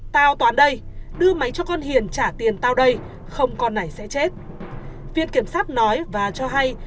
thao toán đây đưa máy cho con hiền trả tiền tao đây không con này sẽ chết viện kiểm sát nói và cho hay